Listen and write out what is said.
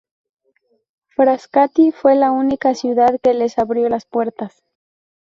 Frascati fue la única ciudad que les abrió las puertas.